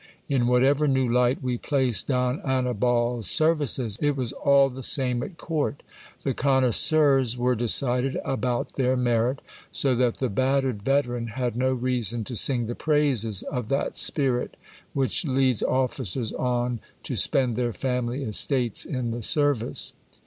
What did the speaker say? In whatever new light we placed Don Annibal's services, it was all the same at court, the connoisseurs were decided about their merit; so that the battered veteran had no reason to sing the praises of that spirit which leads officers on to spend their family estates in the service.